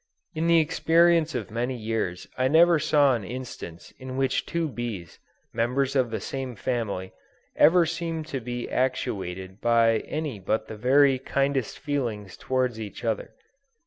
In the experience of many years I never saw an instance in which two bees, members of the same family, ever seemed to be actuated by any but the very kindest feelings toward each other.